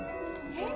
えっ？